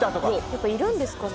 やっぱいるんですかね？